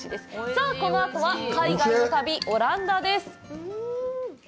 さあ、このあとは、海外の旅、オランダです。